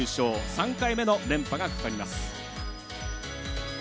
３回目の連覇がかかります。